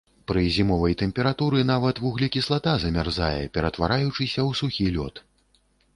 Пры зімовай тэмпературы нават вуглекіслата замярзае, ператвараючыся ў сухі лёд.